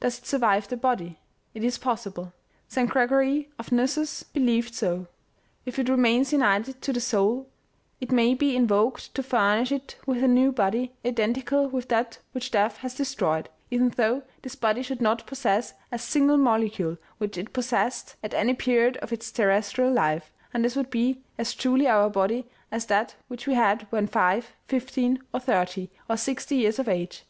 Does it survive the body ? It is possible. St. Gregory of Nyssus believed so. If it remains united to the soul, it may be invoked to furnish it with a new body identical with that which death has destroyed, even though this body should not possess a single molecule which it possessed at any period of its terrestrial life, and this would be as truly our body as that which we had when five, fifteen, or thirty, or sixty years of age.